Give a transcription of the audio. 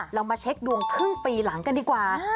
เรามาเช็คดวงครึ่งปีหลังกันดีกว่า